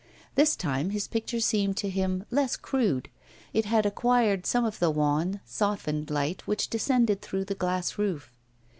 This time his picture seemed to him less crude; it had acquired some of the wan, softened light which descended through the glass roof.